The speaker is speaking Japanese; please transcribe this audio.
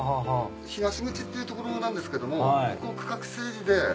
東口っていうところなんですけどもここ区画整理で。